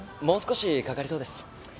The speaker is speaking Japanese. もう少しかかりそうです。